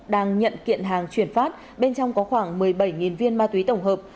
đang nhận kiện hàng chuyển phát bên trong có khoảng một mươi bảy viên ma túy tổng hợp